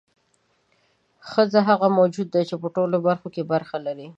ښځه هغه موجود دی چې په ټولو برخو کې برخه لري.